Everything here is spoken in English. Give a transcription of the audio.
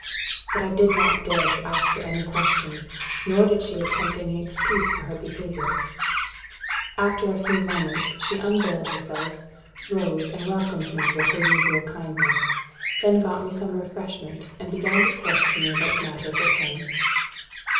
But I did not dare to ask her any questions, nor did she attempt any excuse for her behaviour. After a few moments, she unveiled herself, rose, and welcomed me with her usual kindness; then got me some refreshment, and began to question me about matters at home.